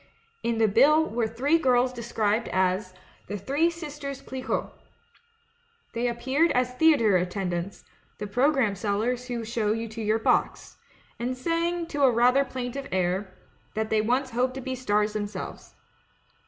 "In the bill were three girls described as 'The Three Sisters Clicquot.' They appeared as thea tre attendants — the programme sellers who show you to your box — and sang, to a rather plaintive air, that they once hoped to be stars themselves.